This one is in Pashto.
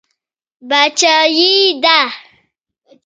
باچایي یې ده.